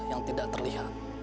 yang tidak terlihat